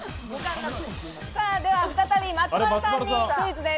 では再び松丸さんにクイズです。